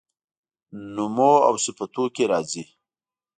نومواوصفتوکي راځي